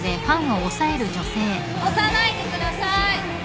押さないでください！